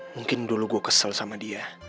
mungkin dulu gue kesel sama dia